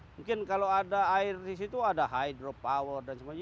mungkin kalau ada air di situ ada hydrope power dan sebagainya